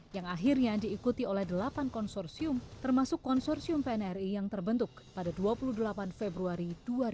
yang akhirnya diikuti oleh delapan konsorsium termasuk konsorsium pnri yang terbentuk pada dua puluh delapan februari dua ribu dua puluh